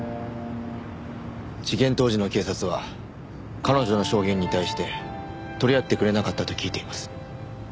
事件当時の警察は彼女の証言に対して取り合ってくれなかったと聞いています。